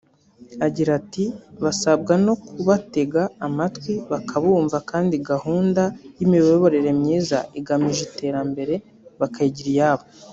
Agira ati “Basabwa no kubatega amatwi bakabumva kandi gahunda y’imiyoborere myiza igamije iterambere bakayigira iyabo